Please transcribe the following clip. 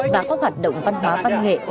và các hoạt động văn hóa văn nghệ